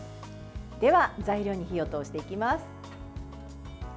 では、材料に火を通していきます。